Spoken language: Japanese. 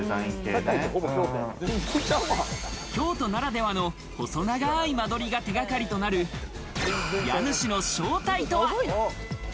京都ならではの細長い間取りが手掛かりとなる家主の正体とは？